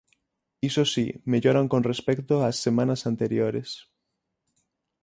Iso si, melloran con respecto ás semanas anteriores.